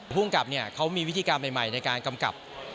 ภูมิกับเขามีวิธีการใหม่ในการกำกับ